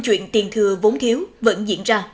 chuyện tiền thừa vốn thiếu vẫn diễn ra